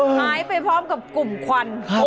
หายไปพร้อมกับกลุ่มควัน